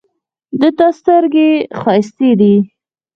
د تا سترګې ښایستې دي